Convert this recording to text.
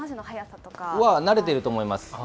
慣れてると思います。